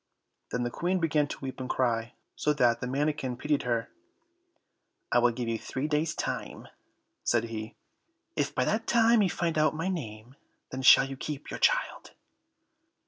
Then the Queen began to weep and cry, so that the manikin pitied her. "I will give you three days' time," said he, "if by that time you find out my name, then shall you keep your child."